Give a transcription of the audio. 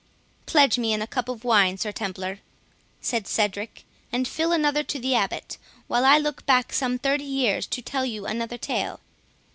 "Pledge me in a cup of wine, Sir Templar," said Cedric, "and fill another to the Abbot, while I look back some thirty years to tell you another tale.